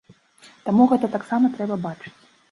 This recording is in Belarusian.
Таму гэта таксама трэба бачыць.